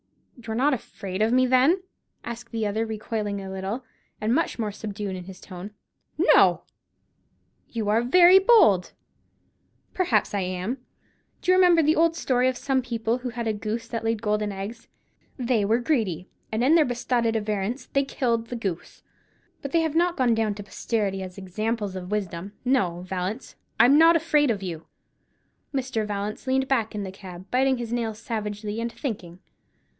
"You're not afraid of me, then?" asked the other, recoiling a little, and much more subdued in his tone. "No!" "You are very bold." "Perhaps I am. Do you remember the old story of some people who had a goose that laid golden eggs? They were greedy, and, in their besotted avarice, they killed the goose. But they have not gone down to posterity as examples of wisdom. No, Vallance, I'm not afraid of you." Mr. Vallance leaned back in the cab, biting his nails savagely, and thinking.